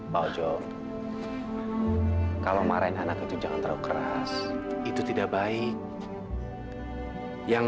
pasti dia garang